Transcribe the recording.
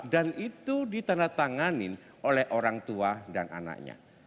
dan itu ditandatanganin oleh orang tua dan anaknya